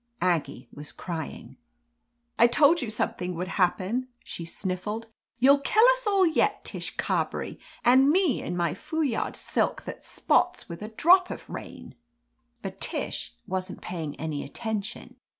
Aggie was crying. "I told you something would happen," she sniffled. "You'll kill us all yet, Tish Carberry — and me in my foulard silk that spots with a drop of rain !" But Tish wasn't paying any attention.